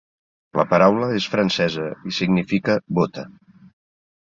La paraula és francesa i significa "bota".